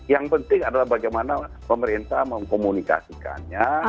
yang penting adalah bagaimana pemerintah mengkomunikasikannya